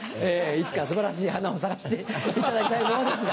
いつか素晴らしい花を咲かせていただきたいものですが。